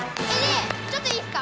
ちょっといいですか？